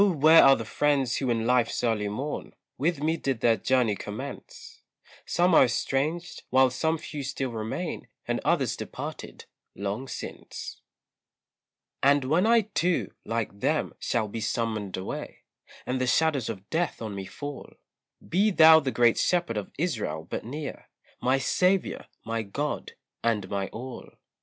where are the friends who in life's early morn, With me did their journey commence; Some are estranged, while some few still remain, And others departed long since. And when I too, like them, shall be summoned away, And the shadows of death on me fall, Be thou the Great Shepherd of Israel but near, My Saviour, my God, and my all.